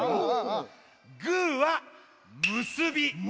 グーはむすび。